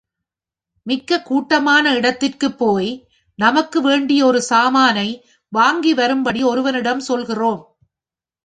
மிக்க கூட்டமான இடத்திற்குப் போய் நமக்கு வேண்டிய ஒரு சாமானை வாங்கி வரும்படி ஒருவனிடம் சொல்கிறோம்.